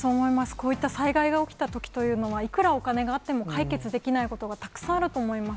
こういった災害が起きたというのは、いくらお金があっても、解決できないことがたくさんあると思います。